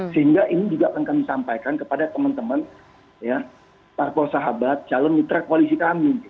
sehingga ini juga akan kami sampaikan kepada teman teman parpol sahabat calon mitra koalisi kami